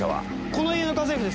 この家の家政婦です。